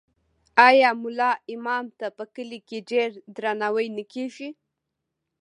آیا ملا امام ته په کلي کې ډیر درناوی نه کیږي؟